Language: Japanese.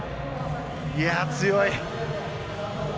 いや、強い！